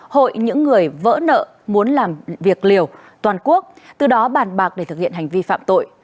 hội những người vỡ nợ muốn làm việc liều toàn quốc từ đó bàn bạc để thực hiện hành vi phạm tội